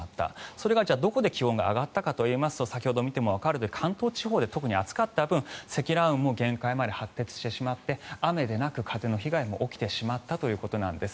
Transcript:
それがどこで気温が上がったかといいますと先ほど見てもわかるとおり関東地方で特に暑かった分積乱雲も限界まで発達してしまって雨ではなく風の被害も起きてしまったということです。